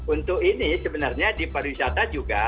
untuk ini sebenarnya di pariwisata juga